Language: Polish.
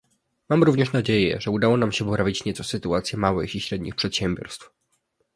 Mam również nadzieję, że udało nam się poprawić nieco sytuację małych i średnich przedsiębiorstw